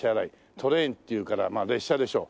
トレインっていうからまあ列車でしょう。